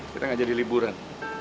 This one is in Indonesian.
kita gak jadi liburan